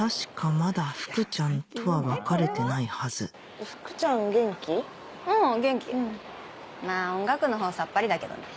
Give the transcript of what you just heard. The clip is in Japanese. まぁ音楽のほうさっぱりだけどね。